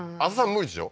無理でしょ？